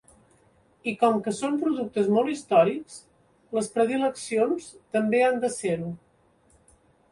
I com que són productes molt històrics, les predileccions també han de ser-ho.